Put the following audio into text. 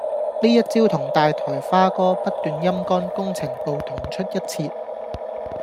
呢一招同大台花哥不斷陰乾工程部同出一轍